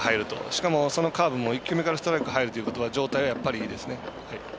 しかも、そのカーブも１球目からストライク入るということは状態がやっぱりいいですね。